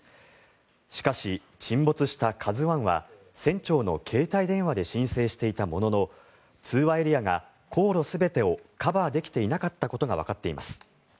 しかし沈没した「ＫＡＺＵ１」は船長の携帯電話で申請していたものの通話エリアが航路全てをカバーできていなかったことがわかっています。